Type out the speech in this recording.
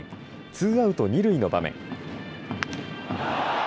ツーアウト二塁の場面。